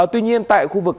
tuy nhiên tại khu vực